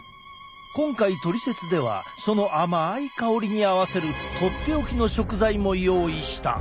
今回「トリセツ」ではその甘い香りに合わせるとっておきの食材も用意した！